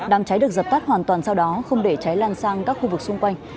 đám cháy được dập tắt hoàn toàn sau đó không để cháy lan sang các khu vực xung quanh